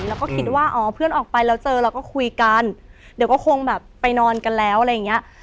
แล้วก็คิดว่าอ๋อเพื่อนออกไปแล้วเจอเราก็คุยกันเดี๋ยวก็คงแบบไปนอนกันแล้วอะไรอย่างเงี้ย